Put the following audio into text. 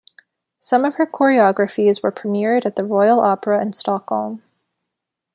Some of her choreographies were premiered at the Royal Opera in Stockholm.